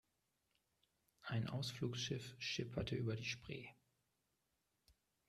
Ein Ausflugsschiff schipperte über die Spree.